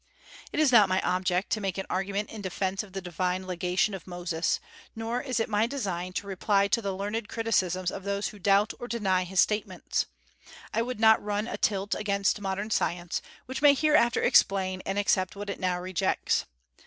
It is not my object to make an argument in defence of the divine legation of Moses; nor is it my design to reply to the learned criticisms of those who doubt or deny his statements. I would not run a tilt against modern science, which may hereafter explain and accept what it now rejects.